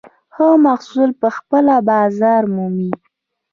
ښه محصول پخپله بازار مومي.